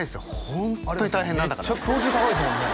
ホントに大変なんだからめっちゃクオリティー高いですもんね